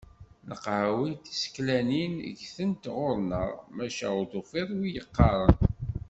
Leqhawi tiseklanin ggtent ɣur-neɣ, maca ur tufiḍ wi yeqqaren.